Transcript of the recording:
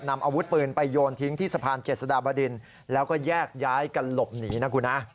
นำอาวุธปืนไปโยนทิ้งที่สะพานเจษฎาบดินแล้วก็แยกย้ายกันหลบหนีนะคุณฮะ